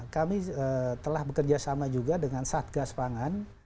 kami telah bekerja sama juga dengan satgas pangan